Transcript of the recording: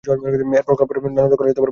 এরপর কলম্বোর নালন্দা কলেজে ভর্তি হন।